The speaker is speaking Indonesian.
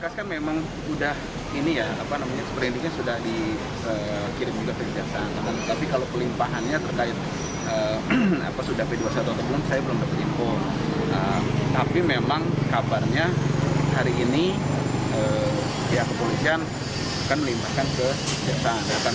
saya belum bersimpul tapi memang kabarnya hari ini pihak kepolisian akan melimpahkan ke kesehatan